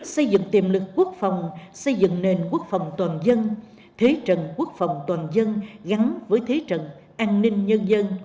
xây dựng tiềm lực quốc phòng xây dựng nền quốc phòng toàn dân thế trận quốc phòng toàn dân gắn với thế trận an ninh nhân dân